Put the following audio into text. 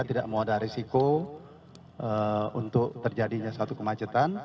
kita tidak mau ada risiko untuk terjadinya satu kemacetan